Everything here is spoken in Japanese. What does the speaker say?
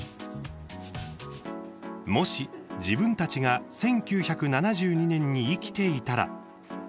もし、自分たちが１９７２年に生きていたら。